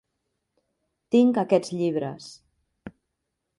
Tinc aquests llibres.